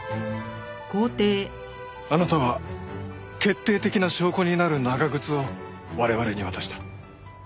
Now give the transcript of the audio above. あなたは決定的な証拠になる長靴を我々に渡した。